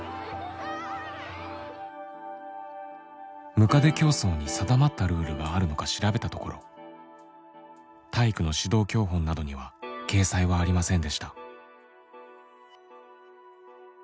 むかで競走に定まったルールがあるのか調べたところ体育の指導教本などには掲載はありませんでした。